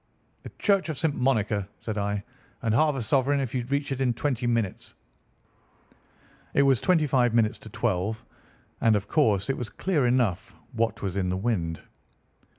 'The Church of St. Monica,' said I, 'and half a sovereign if you reach it in twenty minutes.' It was twenty five minutes to twelve, and of course it was clear enough what was in the wind.